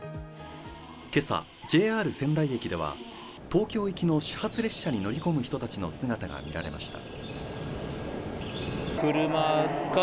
今朝、ＪＲ仙台駅では東京行きの始発列車に乗り込む人たちの姿が見られました。